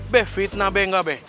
beh fitnah be gak be